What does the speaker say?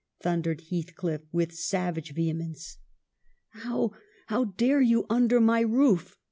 thundered Heathcliff with savage vehe mence. ' How — how dare you, under my roof?